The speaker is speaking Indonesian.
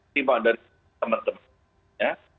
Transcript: sibuk dari teman teman